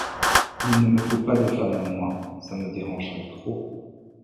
Il ne me faut pas de femmes à moi, ça me dérangerait trop.